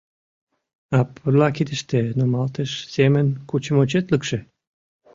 А пурла кидыште нумалтыш семын кучымо четлыкше?..